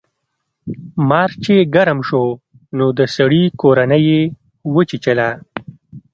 مار چې ګرم شو نو د سړي کورنۍ یې وچیچله.